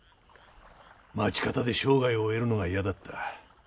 町方で生涯終えるのが嫌だった。